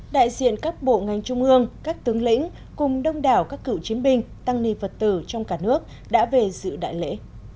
đại diện các bộ ngành trung ương các tướng lĩnh cùng đông đảo các cựu chiến binh tăng niệm vật tử trong cả nước đã về giữ đại lễ